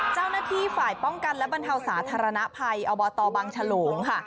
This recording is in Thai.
เจ้าหน้าที่ฝ่ายป้องกันและบรรเทาสาธารณภัยอบตบังฉลงค่ะ